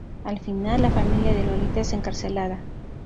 Al final, la familia de Lolita es encarcelada.